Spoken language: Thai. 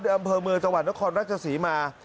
อำเภอเมืองจังหวัดนครราชศรีมา